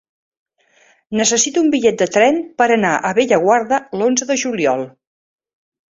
Necessito un bitllet de tren per anar a Bellaguarda l'onze de juliol.